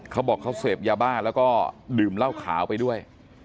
เขาบอกเขาเสพยาบ้าแล้วก็ดื่มเหล้าขาวไปด้วย